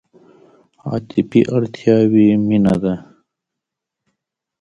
عاطفي اړتیاوې مینه ده.